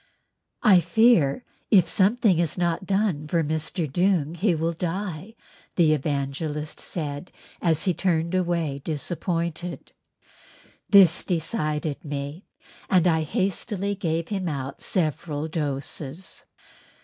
"I fear if something is not done for Mr. Doong he will die," the Evangelist said as he turned away disappointed. This decided me and I hastily gave him out several doses.